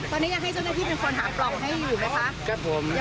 ให้เดินหากล่องเองหรือว่าอาจจะมี